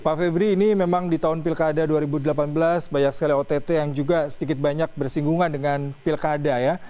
pak febri ini memang di tahun pilkada dua ribu delapan belas banyak sekali ott yang juga sedikit banyak bersinggungan dengan pilkada ya